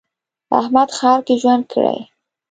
احمد ښار کې ژوند کړی.